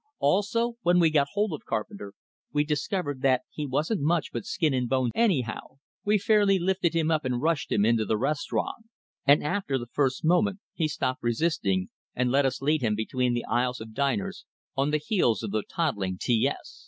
Also, when we got hold of Carpenter, we discovered that he wasn't much but skin and bones anyhow. We fairly lifted him up and rushed him into the restaurant; and after the first moment he stopped resisting, and let us lead him between the aisles of diners, on the heels of the toddling T S.